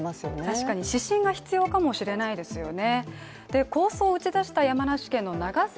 確かに指針が必要かもしれないですよね。